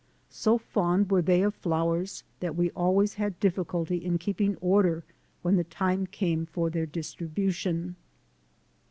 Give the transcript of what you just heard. So fond were they of flowers that we always had difficulty in keeping order when the time came for their distri bution.